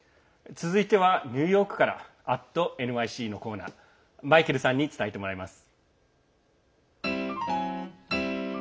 続いてはニューヨークから「＠ｎｙｃ」のコーナーマイケルさんに伝えてもらいます。